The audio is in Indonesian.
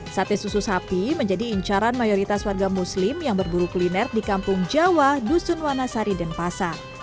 sate susu sapi menjadi incaran mayoritas warga muslim yang berburu kuliner di kampung jawa dusun wanasari dan pasar